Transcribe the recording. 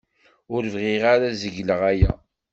Ur bɣiɣ ara ad zegleɣ aya.